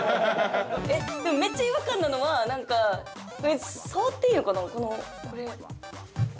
◆めっちゃ違和感なのはなんか触っていいのかな。